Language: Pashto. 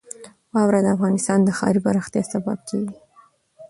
واوره د افغانستان د ښاري پراختیا سبب کېږي.